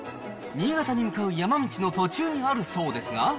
新潟に向かう山道の途中にあるそうですが。